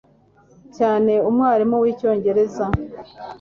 cyane umwarimu wicyongereza